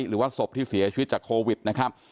หรือว่าศพที่เสียชีวิตจากโควิดนะครับ